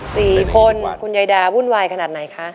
สี่คนคุณยายดาวุ่นวายขนาดไหนคะ